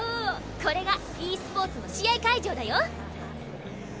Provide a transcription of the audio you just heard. これがｅスポーツの試合会場だよ！